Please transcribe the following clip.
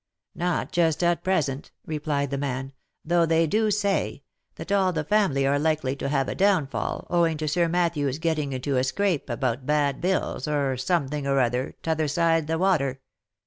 " Not just at present," replied the man; "though they do say, that all the family are likely to have a downfal, owing to Sir Mat thew's getting into a scrape about bad bills, or something or other, t'other side of the water.